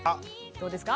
どうですか？